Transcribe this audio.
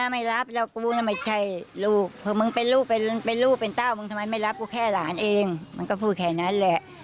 ไม่ใช่ผีเข้าหรอกแม่